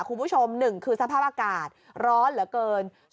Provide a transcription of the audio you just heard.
คุณผู้ชม๑คือสภาพอากาศร้อนเหลือเกิน